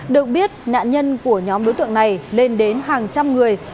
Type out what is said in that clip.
được biết nạn nhân của nhóm đối tượng này lên đến hàng trăm người